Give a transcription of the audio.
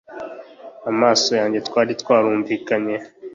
amaso yanjye, twari twarumvikanye